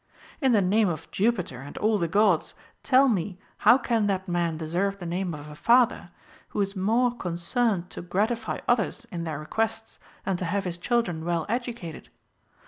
In the name of Jupiter and all the Gods, tell me how can that man deserve the name of a father, who is more concerned to gratify others in their requests, than to have his children well educated